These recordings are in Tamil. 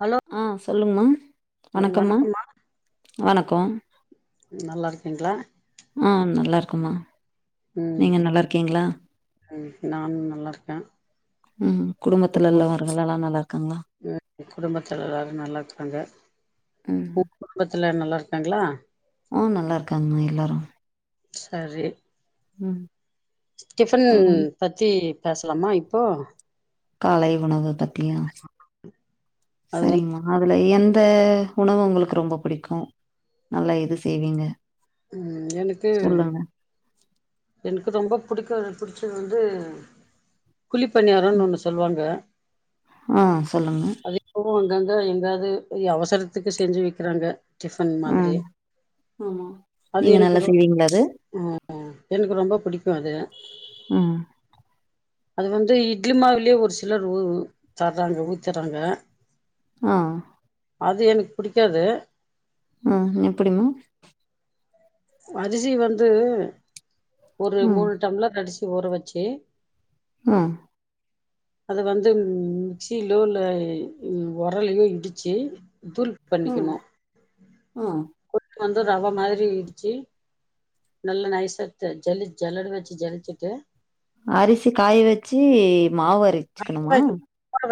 ஹலோ ஆ ஸ் சொல்லுங்கமா வணக்கம்மா வணக்கோ நல்லா இருக்கீங்களா ஆ நல்லா இருக் அம்மா ம் நீங்க நல்லா இருக்கீங்களா ம் நான் நல்லா இருக்கே ம் குடும்பத்துல எல்லா உறவுகள் எல்லா நல்லா இருக்காங்களா ஏ குடும்பத்தல எல்லாரு நல்லா இருக்காங்க ம் த்துல நல்லா இருக்காங்களா ஆ நல்லா இருக்காங்கமா எல்லாரு சரி ம் டிஃபன் சொல்லுங்க பத்தி பேசலாமா இப்போ காலை உணவு பத்தியா அது வந்து சரிங்மா அதுலை எந்த உணவு ஒங்களுக்கு ரொம்ப புடிக்கும் நல்லா இது செய்வீங்க ம் எனக்கு சொல்லுங்க எனுக்கு ரொம்ப புடிக்கும் புடிச்சது வந்து குழிப்பனியாரன்னு ம். ஒன்னு சொல்லுவாங்க ஆ சொல்லுங்க அங்கந்தா எங்காது ய அவசரத்துக்கு செஞ்சு வைக்கிறாங்க டிஃபன் ம் மாதிரியே ஆமா நீங்க நல்லா செய்வீங்களா அது ம் எனக்கு ரொம்ப புடிக்கும் அது ம் அது வந்து இட்லி மாவுலயே ஒரு சிலர் உ உ தராங்க ஊத்துறாங்க ம் அது எனக் புடிக்காது ம் எப்புடிமா அரிசி வந்து ஒரு ம் மூணு டம்ளர் அரிசி ஊற வச்சு ம் அது வந்து மிக்ஸிலோ இல்ல உரல்லயோ இடிச்சு தூள் ம் பண்ணிக்கணு ஆ வந்து ரவை மாதிரி இடுச்சு நல்லா நைசா ஜ ஜலி ஜல்லட வச்சு ஜலிச்சுட்டு அரிசி காய வச்சி மாவு அரச்சுக்கணுமா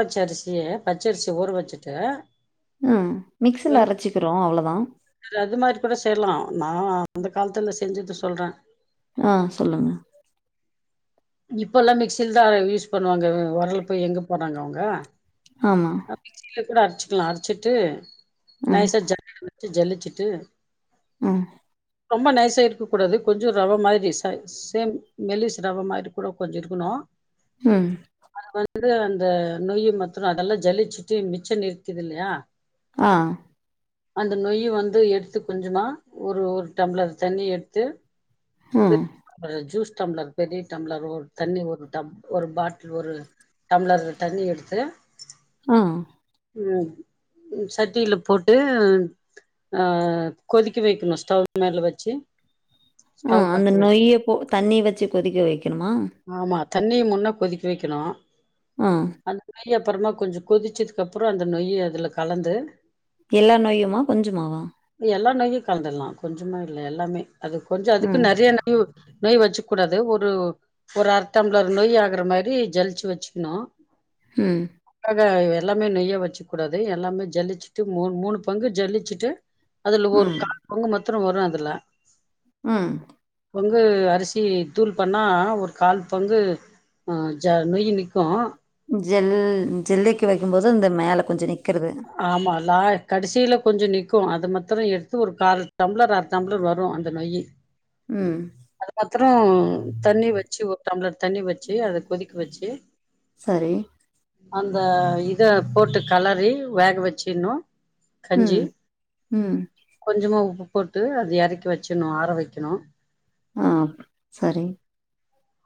பச்சரிசி பச்சரிசி ஊற வச்சுட்டு ம் மிக்ஸில அரைச்சுக்கிறோம் அவ்ள தான் தர அது மாரி கூட செய்யலாம் நா அந்த காலத்துல செஞ்சத சொ சொல்றே ஆ சொல்லுங்க இப்பல்லா மிக்சில தா யூஸ் பண்ணுவாங்க வொரல போய் எங்க போனாங்க அவுங்க ஆமா. மிக்சியில கூட அரச் எல்லா அரச்சிட்டு ம். [unintelligible] ஜல்லுச்சிட்டு உம் ரொம்ப நைஸா இருக்க கூடாது கொஞ்ச ரவ மாதிரி சேம் மெலிஸ் ரவ மாரி கூட கொஞ்ச இருக்கணு உம் அது அந்த நொய் மத்று அதெல்லா ஜலிச்சுட்டு மிச்சம் நிறுத்தது இல்லையா ஆ அந்த நொய் வந்து எடுத்து கொஞ்சமா ஒரு ஒரு டம்ளர் தண்ணி எடுத்து உம் அப்புறோ ஜூஸ் டம்ளர் பெரிய டம்ளர் ஒரு தண்ணி ஒரு ஒரு பாட்டில் ஒரு டம்ளர் தண்ணி எடுத்து ஆ ம் சட்டியில போட்டு ஆ கொதிக்க வக்கணு ஸ்டவ் மேலே வச்சு ஆ ஸ்டவ் அந்த பத்த வச்சு நொய்யி தண்ணி வச்சு கொதிக்க வக்கி க்கணுமா ஆமா தண்ணிய முன்னே கொதிக்க வெக்கணு ஆ. அதுக்கு மேல அப்புறமா கொஞ்சோ கொதிச்சதுக்கு அப்புறோ அந்த நொய்ய அதுல கலந்து எல்லா நொய்யுமா கொஞ்சமாவா எல்லா நொய்யு கலந்துடலா கொஞ்சமா இல்ல எல்லாமே அது கொஞ்சோ அதுக்கு ம். நெறய நய் நொய் வச்சுக்க கூடாது ஒரு ஒரு அரத்தம்ளர் நொய் ஆகுற மாரி ஜலிச்சு வச்சுக்கணு உம் ஆக எல்லாமே நெய்யா வச்சுக்க கூடாது எல்லாமே ஜல்லுச்சுட்டு மூனு பங்கு ஜல்லுச்சுட்டு அதுல ஒரு ம். காங்க ம பத்திர வரு அதுல உம் பங்கு அரிசி தூள் பண்ணா ஒரு கால் பங்கு ஜ நொயு நிக்கு ஜெல் ஜெல்லலைக்கு வைக்கு போது இந்த மேலே கொஞ்சோ நிக் ஆமாலா கடைசியில கொஞ்சோ நிக்கு அது மாத்திரம் எடுத்து ஒரு கால் டம்ளர் அரை டம்ளர் வரு அந்த நொய் ம். அது மாத்திரம் தண்ணி வச்சு ஒரு டம்ளர் தண்ணி வச்சு அத கொதிக் குவச்சு சேரி அந்த இத போட்டு கலறி வேக வச்சிணு கஞ்சி ம். ம். கொஞ்சமா போட்டு அது இறக்கி வச்சணு ஆர வைக்கணு ஆ சேரி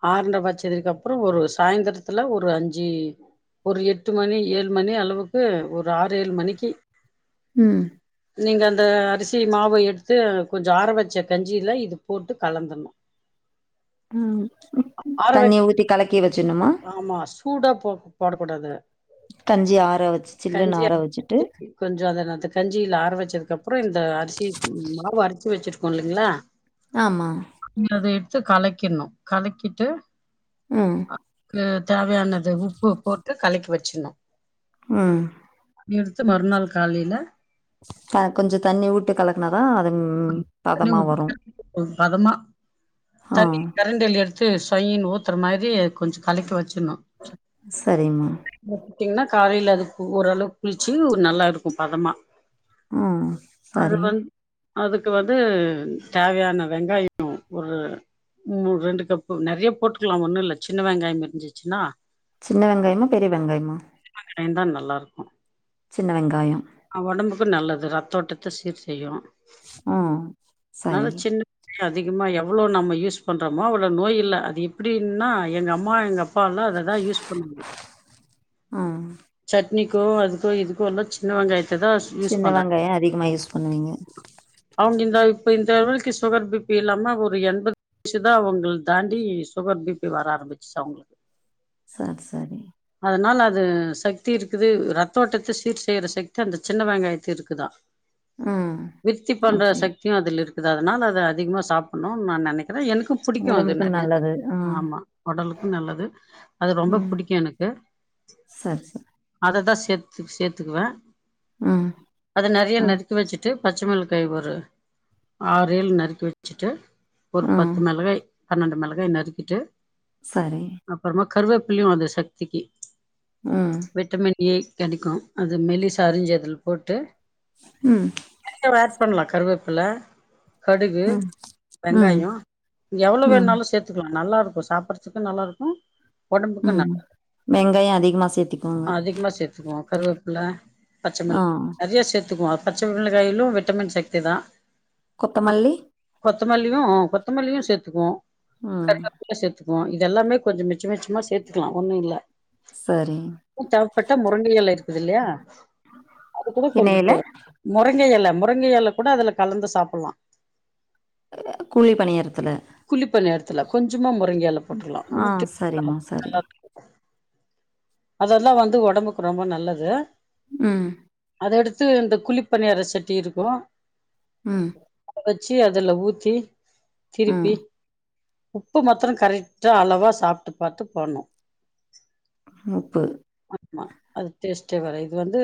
ஆரண்ட பட்சதுக்கு அப்புறோ ஒரு சாயந்திரத்துல ஒரு அஞ்சு ஒரு எட்டு மணி ஏழு மணி அளவுக்கு ஒரு ஒரு ஆறு ஏழு மணிக்கு ம் நீங்க அந்த அரிசி மாவ எடுத்து கொஞ்சோ ஆற வச்ச கஞ்சியில இது போட்டு கலந்துணு ம் தண்ணி வைக்க ஊத்தி கலக்கி வச்சுனுமா கூடாது கஞ்சி ஆறவச்சு கஞ்சி கொஞ்சோ அத கஞ்சியில ஆற வச்சதுக்கு அப்றோ இந்த அரிசி மாவு அரச் சிவச்சிருக்கோ இல்லைங்களா ஆமா த்து கலக்கிணு கலக்கிட்டு ம். அக்கு தேவயானது உப்பு போட் ட்டு கலக்கி வச்சினு ம் [unintelligible] எடுத்து மறுநாள் காலையில க கொஞ்சோ தண்ணி ஊட்டு கலக்கனாதா அத தண்ண விட்ட பதமா ஆ தண்ணி கரண்டி எடுத் து சொய்ன் ஊத்துற மாரி கொஞ்சோ கலக்கி வச்சணு சேரிம்மா காலையில அது ஓரளவு புளிச்சு நல்லா இருக்கு பதமா ம் அது பரி வந்து அதுக்கு வந்து தேவையான வெங்காயம் ஒரு ம் ரெண்டு கப்பு நெறயா போட்டுக்கலா ஒண்ணு இல்ல சின்ன வெங்காயம் இருந்துச்சின்னா சின்ன வெங்காயமா பெரிய வெங்காயமா காயம்தா நல்லா இருக்கும் சின்ன வெங்காயம் ஆ ஒடம்புக்கு நல்லது ரத்தோட்டத்த சீர் செய்யும் ஆ சரி தே அதிகமா எவ்ளோ நம்ம யூஸ் பண்றமோ அவ்ளோ நோய் இல்ல அது எப்டின்னா எங்க அம்மா எங்கப் பானா அத தான் யூஸ் பண்ண முடியும் ம் ச நீக்கோ அதுக்கோ இதுக்கோ எல்லாம் சின்ன வெங்காய சின்ன வெங்காயம் அதிகமா யூஸ் பண்ணுவீங்க அவங்க இந்த இப்ப இந்தளவுக்கு சுகர் பிபி இல்லாம ஒரு எண்பது வயசு தா அவங்கள தாண்டி சுகர் பிபி வர ஆரம்பிச்சிச்சி அவுங்களுக்கு சரி சரி அதனால அது சக்தி இருக்குது ரத்தோட்டத்த சீர் செய்ற சக்தி அந்த சின்ன வெங்காயத்து இருக்குதான் ம் விருத்தி பண்ற அப்படி சக்தியும் அதுல இருக் குது அதனால அது அதிகமா சாப்பன்னு நான் நெனைக் அதா எனக்கும் புடிக்கும் அது உடம்புக்கு நெறயா நல்லது ம் ஆமா ஒடலுக் நல்லது அது ரொம்ப ம் புடிக்கும் எனக்கு சரி சரி அததா சேத்து சேத்துக்குவன் ம் அதது நிறைய ம் நறுக்கி வச்சுட்டு து பச்ச மிளகா ஒரு ஆறு ஏழு நறுக்கி வச்சிட்டு ஒரு ம் பத்து மிளகாய் பன்னண்டு மிள காய் நருக்கிட்டு சரி கருவேப்பிளையும் அந்த சக்திக்கு ம் விட்டமின் ஏ கெடைக்கும் அது மெலிசா அரிஞ்சி அதுல போட்டு ம் சுகர் ஆட் பண்ணலா கருவேப்பில கடுகு ம் ம் வெங்காயம் இங்க எவ்ளோ ம் வேணுனாலும் சேத்துக்கலா நல்லா இருக்கும் சாப்பறதுக்கு நல்லா இருக்கும் ம் வெங்காய அதிகமா சேத்திக்கோங்க கருவேப்புல பச்சமள் நறைய சேத்துக்குவோ‌ அ பச்சமெள காய்லு விட்டமின் சக்தி தா கொத்தமல்லி கொத்தமல்லியு கொத்தமல்லியு சேத்துக்குவோ ம் கருவப்புல சேத்து க்குவோ இதெல்லாமே கொஞ்ச மிச்ச மிச்சமா சேத்துக்லா ஒன்னு இல்ல சரி தேவப்பட்டா முருங்க எல இரு க்குதுல்லயா என்ன எல ங்க எல முருங்க எல கூட அதுல கலந்து சாப்புல்லா குழி பனியாரத்துல குழிப்பனியாரத்துல கொஞ்சமா மு ருங்க எல போட்ருலா ஆ உன்னு [inaudible] சரிம்மா சரி அதல்லாம் வந்து ஒடம்புக்கு ரொம்ப நல்லது ம் அத எடுத்து இந்த குழிப்பனியார சட்டி இருக்கு ம் அத வச்சு அதுல ஊத்தி ம் திருப்பி உப்பு மத்திர கரெக்டா அளவா சாப்ட்டுப் பாத்து போட்னு உப்பு ஆமா அது டேஸ்டே வேற இது வந்து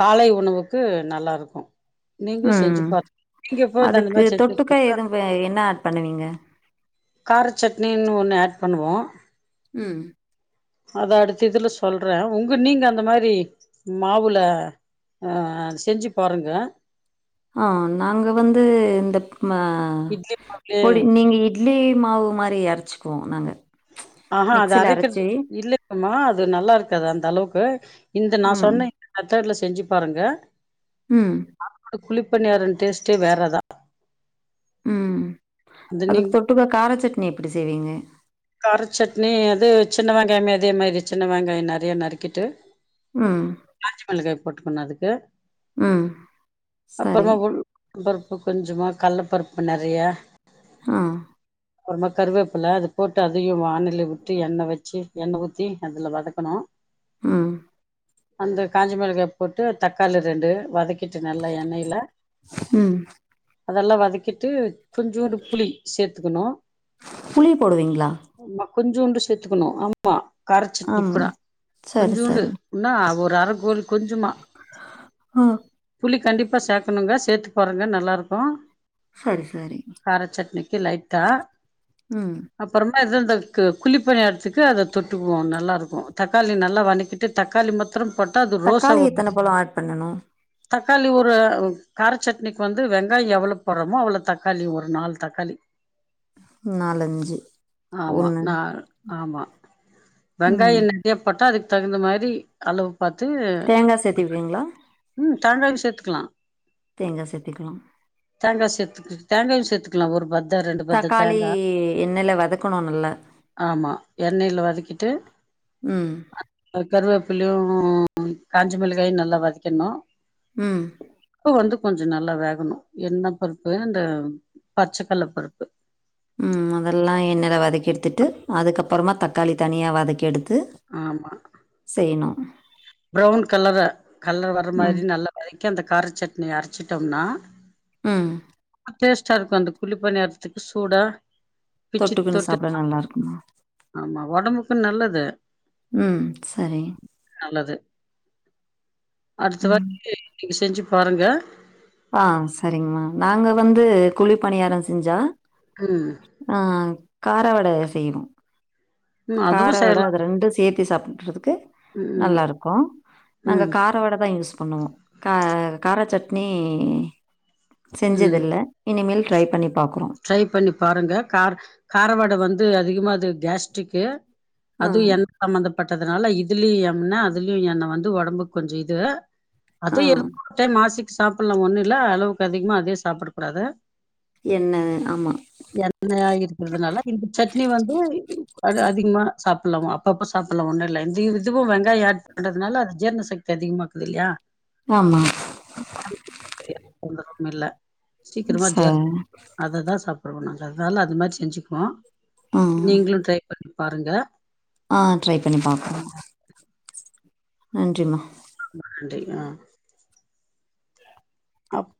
காலை உணவுக்கு நல்லாருக்கு ம் அதுக்கு மாரி தொட்டுக்க செஞ்சிருக்கீங்களா எது வே என்ன ஆட் பண்ணுவீங்க கார சட்னீன்னு ஒன்னு ஆட் பண்ணுவோ ம் அத அடுத்த இதுல சொல்றே உங்க நீங்க அந்த மாரி மாவுல ஆ செஞ்சு பாருங்க ஆ நாங்க வந்து இந்த ம இட்லி மாவுலயே பொடி நீங்க இட்லி மாவு மாரி அர ச்சிக்குவோ நாங்க ஆஹா அது மிக்சில அரைக்கற்து அரச்சு இல்லங்கம்மா அ து நல்லாருக்காது அந்தளவ்க்கு இந்த நா ம் சொன்னே [unintelligible] செஞ்சு பாருங்க ம் குளிப்பனியாரம் டேஸ்ட்டே வேறதா ம் அது நீங் அதுக்கு தொட்டுகா காரச்சட் நீ எப்படி செய்வீங்க கார சட்னி அது சின்ன வெங்காயமே அதே மாரி சின்ன வெங்காய நெறைய நறுக்கிட்டு ம் காஞ்ச மிளகாய் போட்டுக்கணு அதுக்கு ம் சேரி அப்புறமா உளுத்தம் பருப்பு கொஞ்சமா கடலைப்பருப்பு நெறைய ஆ அப்புறமா கருவேப்பல அது போட்டு அதையு வானல்ல விட்டு எண்ணெய் வச்சு எண்ணெய் ஊத்தி அதுல வதக்கணு ம் அந்த காஞ்ச மிளகாய் போட்டு தக்காளி ரெண்டு வதக் கிட்டு நல்லா எண்ணெய்ல ம் அதெல்லா வதக்கிட்டு கொஞ்சுன்டு புளி சேர்த்துக்கணு புளி போடுவீங்களா கொஞ்சயோண்டு சேத்துக்கணு ஆமா காரச்சட்னி ஆம் கூட சரி சரி கொஞ்சோண்டுன்னா ஒரு கார [unintelligible] கொஞ்சமா ஆ புளி கண்டிப் இப்ப சேக்கணுங்க சேர்த்து பாருங்க நல்லா இருக்கு சேரி சேரி [unintelligible] லையிட்டா ம் அப்புறமா இது இந்தகு குழிப்பணி இடத்துக்கு அத தொட்டுக்குவோ நல்லா இருக்கு தக்காளி நல்லா வதக்கிட்டு தக்காளி மொத் தக்காளி எத்தன பழ ஆட் பண்ணு தக்காளி ஒரு கார சட்னிக்கு வந்து வெங்காய எவ்வளோ போடுறோமோ அவ்வளோ தக்காளி ஒரு நாலு தக்காளி நாலஞ் ஆமா நா ஆமா ம் வெங்காய நறைய போட்டா அது தகுந்த மாரி அளவு பாத்து தேங்கா சேத்திப்பீங்ளா தேங்காவ சேத்துக்கலா தேங்கா சேத்திக்லா தேங்கா சேத்துக்கு தேங்காயு சேத்துக்லா ஒரு பத் தக்காளி எண்ணெய்ல வதக்கணு நல்லா ஆமா எண்ணெய்ல வதக்கிட்டு ம் அதுக்க கருவேப்பில்யு காஞ்ச மிளகாயு நல்லா வதக்கிர்னு ம் ப்பு வந்து கொஞ்ச நல்லா வேகனு என்ன பருப்பு இந்த பச்சக்கல்ல பருப்பு ம் அதெல்லா எண்ணல வதக்கி எடுத்துட்டு அதுக்கப்புறமா தக்காளி தனியா வதக்கி எடுத் ஆமா ப்ரவுன் கலர கலர் வர ம் மாரி நல்லா வதக்கி அந்த காரச் சட்னி அரச்சிட்டோம்னா ம் டேஸ்ட்டா இருக்கு அந்த குழி பனியாரத்துக்கு சூடா பிச்சு தொட்டுக்குனு தொட்டு சாப்ட நல்லாருக்குமா ஆமா ஒடம்புக்கு நல்லது ம் சரி நல்லது அடுத்த ம் வாட்டி நீங்க செஞ்சு பாருங்க ஆ சரிங்மா நாங்க வந்து குழி பனியார செஞ்சா ம் ஆ காரவட செய்னு ம் அதுவு கார வட செய்யலா அது ரெண்டு சேத் தி சாப்புட்றது க்கு ம் நல்லாருக்கு நாங்க ம் கார வட தா யூஸ் பண்ணுவோ கா காரச்சட் நீ ம் செஞ்சதில்ல இனிமேல் ட்ரை பண்ணி பாக் ட்ரை பண்ணி பாருங்க கார் கார வட வந்து அதிகமா இது கேஸ்ட்ரிக்கு ஆ அதுவு எண்ண சம்மந்த பட்டதுனால இதுலயு எண்ண அதுலயு எண்ண வந்து உடம்புக்கு கொஞ்சோ இது ஆ அதுவு [unintelligible] மாசிக் சாப்பிடலா ஒண்ணு இல்ல அளவுக்கு அதிகமா அதே சாப்பிட கூடாது என்ன ஆமா எண்ணெயா இருக்கிறதுனால இந்த சட்னி வந்து அ அதிகமா சாப்பிடலா அப்பப்ப சாப்பிடலா ஒன்னு இல்ல இந்த இதுவும் வெங்காயம் ஆட் பண்றதுனால அது ஜீர்ண சக்தி அதிகமாக்குது இல்லையா ஆமா தொந்தரவு இல்ல சீக்கிரமா ச ஜீர அததா சாப்பிடுவோ நாங்க அதனால அது மாரி செஞ்சுக்குவோ ஆ நீங்களும் ட்ரை பண்ணி பாருங்க ஆ ட்ரை பண்ணி பாக்கற நன்றிம்மா ரொம்ப நன்றி ஆ அப்